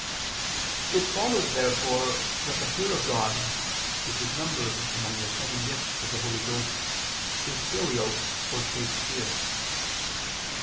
It follows, therefore, that the fear of God, which is numbered among the seven gifts of the Holy Ghost, is filial or chaste fear.